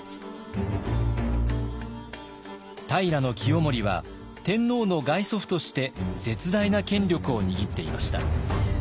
平清盛は天皇の外祖父として絶大な権力を握っていました。